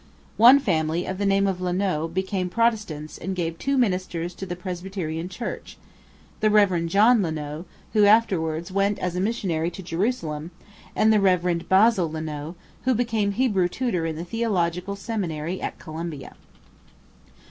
One family of the name of Lanneau became Protestants and gave two ministers to the Presbyterian Church the Rev. John Lanneau, who afterwards went as a missionary to Jerusalem, and the Rev. Basil Lanneau, who became Hebrew tutor in the Theological Seminary at Columbia.